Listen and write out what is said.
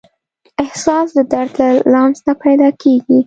احساس د درد له لمس نه پیدا کېږي.